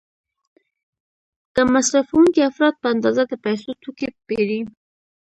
کم مصرفوونکي افراد په اندازه د پیسو توکي پیري.